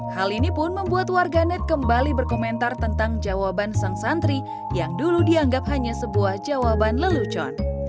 hal ini pun membuat warganet kembali berkomentar tentang jawaban sang santri yang dulu dianggap hanya sebuah jawaban lelucon